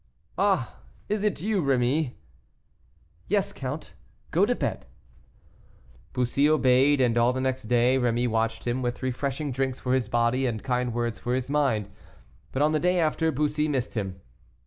"Ah, is it you, Rémy?" "Yes, count. Go to bed," Bussy obeyed, and all the next day Rémy watched by him, with refreshing drinks for his body and kind words for his mind. But on the day after Bussy missed him.